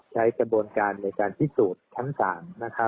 ใช้กระบวนการในการพิสูจน์ชั้นศาล